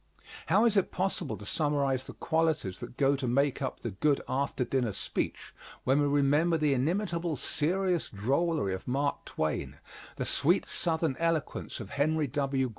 How is it possible to summarize the qualities that go to make up the good after dinner speech, when we remember the inimitable serious drollery of Mark Twain, the sweet southern eloquence of Henry W.